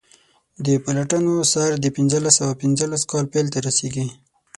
د پلټنو سر د پنځلس سوه پنځلس کال پیل ته رسیږي.